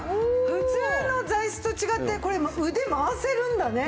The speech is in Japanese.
普通の座椅子と違ってこれ腕回せるんだね。